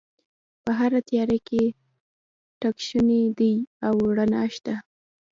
په هره تیاره کې تګ شونی دی او رڼا شته